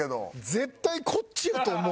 絶対こっちやと思う。